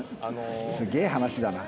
すげえ話だな。